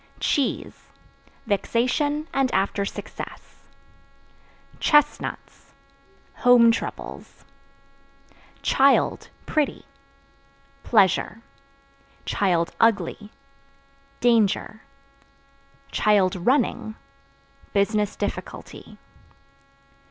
Cheese Vexation and after success. Chestnuts Home troubles. Child (Pretty) pleasure; (ugly) danger; (running) business difficulty.